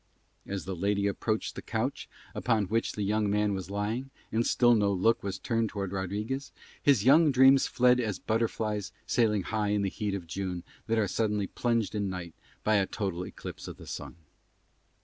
As the lady approached the couch upon which the young man was lying, and still no look was turned towards Rodriguez, his young dreams fled as butterflies sailing high in the heat of June that are suddenly plunged in night by a total eclipse of the sun.